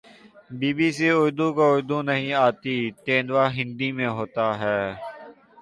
be B C Urdu کو اردو نہیں آتی تیندوا ہندی میں ہوتاہے